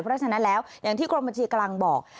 เพราะฉะนั้นแล้วอย่างที่กรมบัญชีกำลังบอก